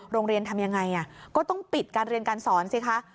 โรงเรียนทำยังไงก็ต้องปิดการเรียนการสอนสิคะ